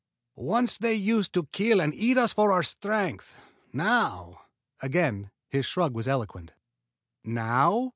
Once they used to kill and eat us for our strength. Now " Again his shrug was eloquent. "Now?"